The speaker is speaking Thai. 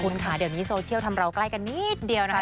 คุณค่ะเดี๋ยวนี้โซเชียลทำเราใกล้กันนิดเดียวนะคะ